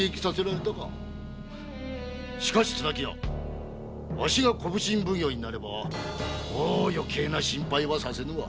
しかし綱木屋わしが小普請奉行になればもうよけいな心配はさせぬわ。